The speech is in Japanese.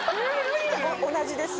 同じです。